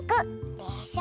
でしょ？